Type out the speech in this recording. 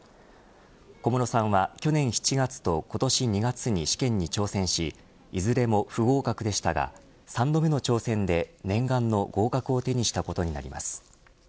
小室さんは去年７月と今年２月に試験に挑戦しいずれも不合格でしたが３度目の挑戦で念願の合格を手にしたことになります。